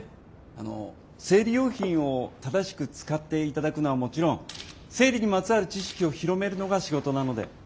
あの生理用品を正しく使っていただくのはもちろん生理にまつわる知識を広めるのが仕事なので。